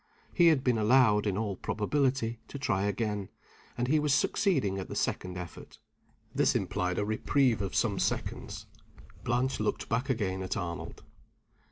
He had been allowed, in all probability, to try again; and he was succeeding at the second effort. This implied a reprieve of some seconds. Blanche looked back again at Arnold.